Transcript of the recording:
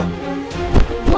tapi pun rupanya